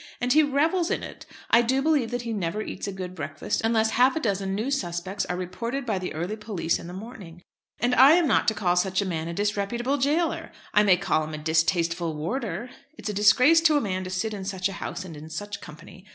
And he revels in it. I do believe that he never eats a good breakfast unless half a dozen new 'suspects' are reported by the early police in the morning; and I am not to call such a man a 'disreputable jailer.' I may call him a 'distasteful warder.' It's a disgrace to a man to sit in such a House and in such company.